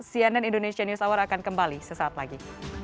cnn indonesia news hour akan kembali sesaat lagi